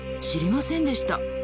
知りませんでした。